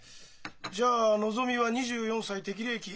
じゃあのぞみは２４歳適齢期